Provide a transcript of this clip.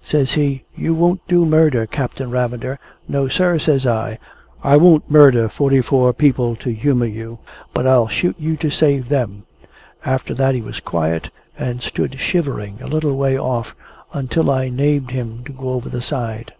Says he, "You won't do murder, Captain Ravender!" "No, sir," says I, "I won't murder forty four people to humour you, but I'll shoot you to save them." After that he was quiet, and stood shivering a little way off, until I named him to go over the side.